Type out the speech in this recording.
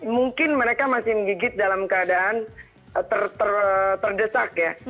mungkin mereka masih menggigit dalam keadaan terdesak ya